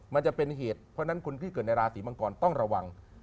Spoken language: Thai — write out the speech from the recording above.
มันจะเป็นเหตุเพราะฉะนั้นคนที่เกิดในราศีมังกรต้องระวัง